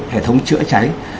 hệ thống chữa cháy